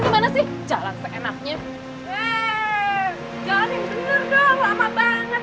heee jalanin bener dong lama banget